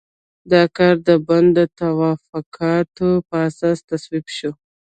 دا کار د بن د توافقاتو په اساس تصویب شو.